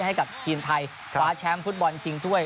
ให้กับทีมไทยคราชแชมพุทบอลชิงถ้วย